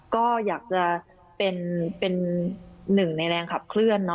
ก็อยากจะเป็นหนึ่งในแรงขับเคลื่อน